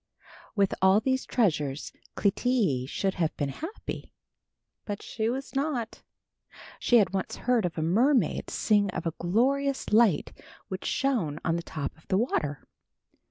With all these treasures Clytie should have been happy, but she was not. She had once heard a mermaid sing of a glorious light which shone on the top of the water.